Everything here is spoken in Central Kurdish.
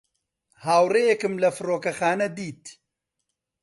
هاوڕێیەکم لە فڕۆکەخانە دیت.